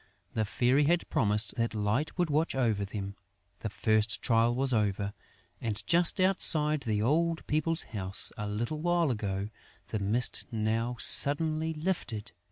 The Fairy had promised that Light would watch over them. The first trial was over; and, just as outside the old people's house a little while ago, the mist now suddenly lifted.